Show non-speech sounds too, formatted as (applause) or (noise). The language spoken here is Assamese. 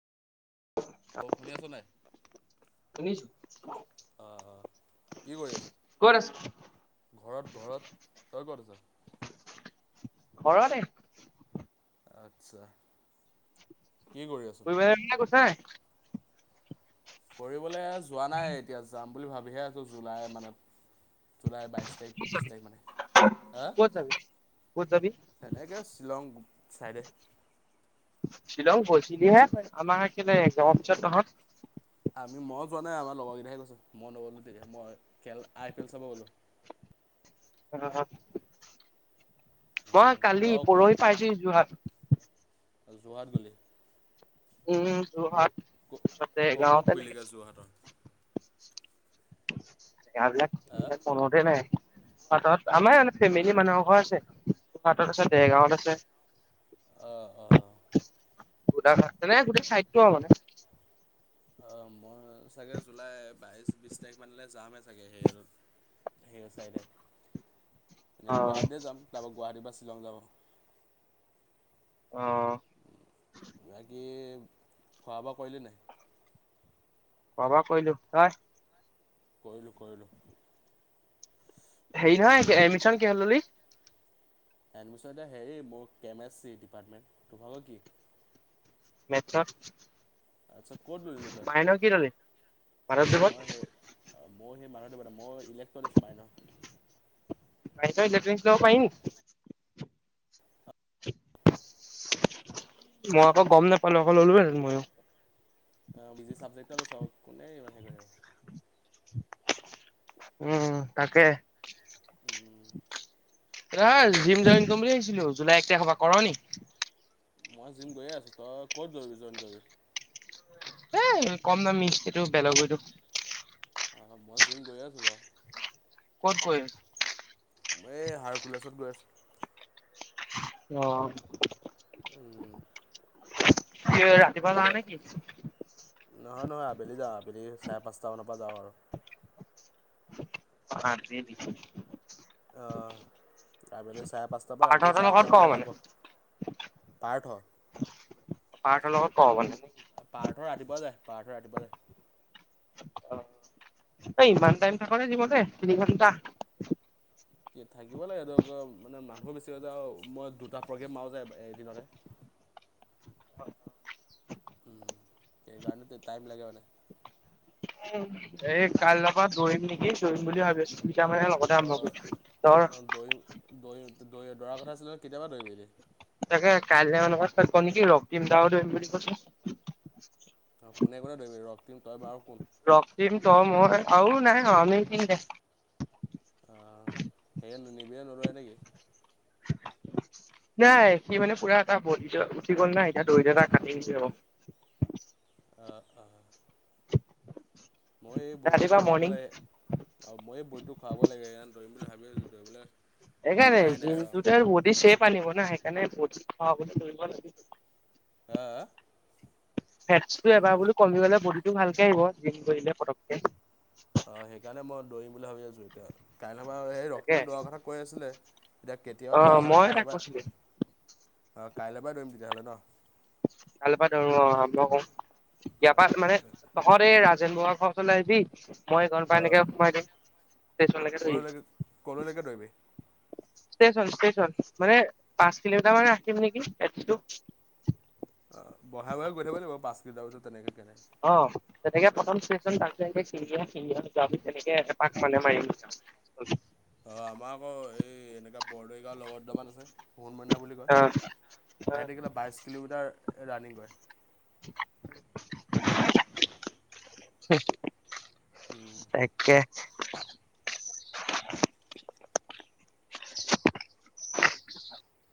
অ', শুনি আছ নাই। ক'ত অ', অ'। কি কৰি আছ? আছ? ঘৰত ঘৰত, তই ক'ত আছ? ঘৰতে। আচ্ছা। কি কৰি আছ? ক (unintelligible) গৈছ নাই কৰিবলে যোৱা নাই এতিয়া যাম বুলি ভাবিহে আছো জুলাই মানত। জুলাই বাইশ তাৰিখ, বিশ তাৰিখ মানে। হা ক'ত যাবি ক'ত যাবি সেনেকে শ্বিলং চাইডে শ্বিলং গৈছিলিহে আমাৰ কেলে একজামৰ পিছত তঁহত আমি মই যোৱা নাই, আমাৰ লগৰ কেইটাহে গৈছে মই নগ'লো তেতিয়া মই খেল আই পি এল চাব গ'লো। অ', উম। মই কালি তই ক'বাত পৰহি পাইছোঁহি যোৰহাট। যোৰহাট গ'লি। উম যোৰহাট ওচৰতে ক'ত ক'ত এগাঁৱত এনেকে ফুৰিলেগৈ যোৰহাটৰ? জেগা বিলাক হা? মনতে নাই। পাথৰত আমাৰ মানে ফেমিলি মানুহৰ ঘৰ আছে, যোৰহাটত আছে দেৰগাঁৱত আছে। অ', অ'। গোলাঘাট মানে গোটেই চাইডটো আৰু মানে। অ', মই চাগে জুলাই বাইশ, বিশ তাৰিখ মানলৈ যামেই চাগে হেৰিঅলৈ সেই চাইডে অ গুৱাহাটী এ যাম তাৰপা গুৱাহাটীৰ শ্বিলং যাব অ বাকী খোৱা বোৱা কৰিলি নে নাই? খোৱা বোৱা কৰিলোঁ, তই? কৰিলোঁ কৰিলোঁ। হেৰি নহয় এডমিছন কিহঁত ললি? এডমিচন এ' হেৰি মোৰ কেম এছ চি ডিপাৰ্টমেণ্ট, তহঁতৰ কি? মেট্ছত। আচ্ছা ক'ত লৈ ললি তই? মাধৱদেৱত মই সেই আ মই সেই মা মই ইলেক্ট্ৰনিক্স মাইনৰ। হাইড্ৰইলেট্ৰ (unintelligible) ড্ৰিংকচ্ লব পাৰি নেকি মই আকৌ গম নেপাওঁ নহ'লে ল'লো হেঁতেন মইয়ো। অ', বিজি চাবজেক্ট এটা লৈছোঁ আৰু কোনে ইমান হেৰী কৰি থাকিব। উম তাকে। উম। তই আহ এতিয়া কি জিম জইন কৰিম বুলি ভাবিছিলো জুলাই এক তাৰিখৰ পৰা, কৰ' নি? মই জিম গৈয়ে আছো তই ক'ত দৌৰিবি জইন কৰিবি। এ কম দামি এইটো বেলেগৈটো (inaudible) আহ, মই জিম গৈয়ে আছো বাৰু। ক'ত কৰি আছ? এই হাৰকুলাছত গৈ আছোঁ। অঁ। উম। ৰাতিপুৱা মোৰ যাও এতিয়া নেকি? নহয় নহয়, আবেলি যাওঁ আবেলি চাৰে পাঁচটা মানৰ পৰা যাওঁ আৰু। আবেলি। আহ, আবেলি চাৰে পাঁচটাৰ পৰা ৰাতি পাৰ্থহঁতৰ চাৰে লগত আঠটা মান কৰ লৈকে মানে থাকো। পাৰ্থ। পাৰ্থৰ লগত কৰ মানে। পাৰ্থ ৰাতিপুৱা যায়, পাৰ্থ ৰাতিপুৱা যায়। তই ইমান টাইম থাক নে জিমতে তিনি ঘণ্টা? এ থাকিব লাগে গ গ মানে মানুহো বেছি হৈ যায় আৰু মই দুটা প্ৰগ্ৰেম মাৰো যে এ এদিনতে। (inaudible) উম এই কাৰণতে টাইম লাগে মানে। এই কাইলৈৰ পৰা দৌৰিম নেকি দৌৰিম বুলি ভাবিছোঁ। এতিয়া মানে লগতে অঁ আৰম্ভ কৰিছো তৰ দৈয়া দৌৰা কথা আছিলে নহয় কেতিয়া পৰা দৌৰিবি এনেই? তাকে কাইলে মানৰ পৰা ষ্টাৰ্ট কৰোঁ নেকি ৰক্তিম দাও দৌৰিম বুলি কৈছে। অ কোনে কোনে দৌৰিবি ৰক্তিম তই বাৰু আৰু কোন? ৰক্তিম তই মই আৰু নাই আও আমি তিনটাই। আহ সেয়ে নিবিৰে নদৌৰে নেকি? নাই সি মানে পুৰা এটা বডী তাৰ উঠি গ'ল না এতিয়া দৌৰিলে তাৰ (unintelligible) যাব। অঁ অঁ। মই এই বডীটো ৰাতিপুৱা খোৱাব মৰ্ণিং লাগে আৰু মই এই ব টো খুৱাব লাগে সেইকাৰণে দৌৰিম বুলি ভাবি আছোঁ, দৌৰিবলে সেইকাৰে জিন্টু দাই বডীৰ চেপ আনিব না সেইকাৰণে বডী খৰাবলে দৌৰিব লাগে। আ? ফেটচটো এবাৰ বোলো কমি গলে বডিটো ভালকে আহিব জিম কৰিলে পতককে। অ সেইকাৰণে মই দৌৰিম বুলি ভাবি আছো এতিয়া, কাইলৰ পৰা সেই তাকে ৰক্তিমে দৌৰা কথা কৈ আছিলে। এতিয়া কেতিয়া পা অ' দৌৰা হয় মই তাক কাইলৰ পৰাই (inaudible) অ কাইলৰ পৰাই দৌৰিম তেতিয়াহলে ন? কাইলৈপা ধৰু আৰম্ভ কৰো, বেপাৰত মানে তহতে যে মোৱা ঘৰ ফালে আহিবি। মই গ'ম পাই অঁ এনেকে সোমাই দিম নলৈকে ক'লৈকে ই ক'লৈকে দৌৰিবি ষ্টেচন ষ্টেচন মানে পাঁচ কিলোমিটাৰ মান ৰাখিম নেকি এপেচটো বহাই বি গৈ থাব লাগ বাচ কেইট পিছ তেনেকে কেনে অ' তেনেকে প্ৰথম ষ্টেচন (unintelligible) তেনেকে এপাক মানে মাৰিম অ' আমাৰ আকৌ এই এনেকাে বৰদৈ গাওঁৰ লগৰ দুটামান আছে পোহণমইনা বুলি কয়। অ সিহঁতে কেলা বাইশ কিলোমিটাৰ ৰাণিং কৰে। (inaudible) একে (inaudible)